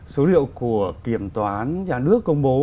số liệu của kiểm toán nhà nước công bố